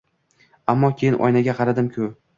Ammo, keyin oynaga qaradikmi?